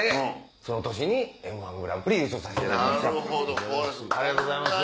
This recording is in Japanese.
その年に『Ｍ−１グランプリ』優勝させていただきました。